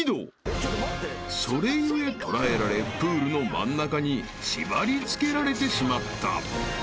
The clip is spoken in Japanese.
［それ故捕らえられプールの真ん中に縛り付けられてしまった］